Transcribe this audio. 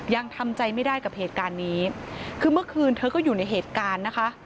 ยังทำใจไม่ได้กับเหตุการณ์นี้คือเมื่อคืนเธอก็อยู่ในเหตุการณ์นะคะ